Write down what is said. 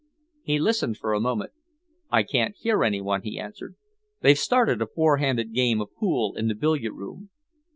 He listened for a moment. "I can't hear any one," he answered. "They've started a four handed game of pool in the billiard room."